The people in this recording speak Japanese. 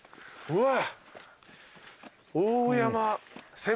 うわ！